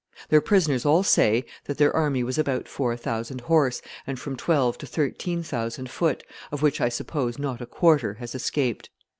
Their prisoners all say that their army was about four thousand horse, and from twelve to thirteen thousand foot, of which I suppose not a quarter has escaped.